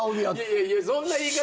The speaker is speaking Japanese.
いやいやそんな言い方